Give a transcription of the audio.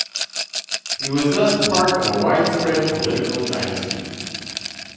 He was thus part of a widespread political dynasty.